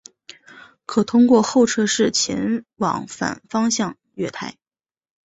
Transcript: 可通过候车室前往反方向月台。